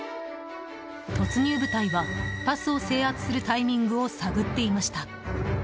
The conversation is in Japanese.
突入部隊は、バスを制圧するタイミングを探っていました。